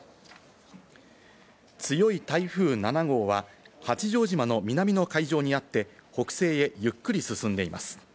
強い台風７号は八丈島の南の海上にあって、北西へゆっくり進んでいます。